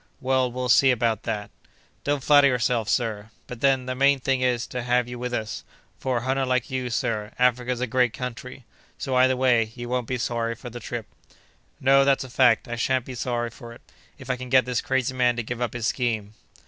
"Well, we'll see about that." "Don't flatter yourself, sir—but then, the main thing is, to have you with us. For a hunter like you, sir, Africa's a great country. So, either way, you won't be sorry for the trip." "No, that's a fact, I shan't be sorry for it, if I can get this crazy man to give up his scheme."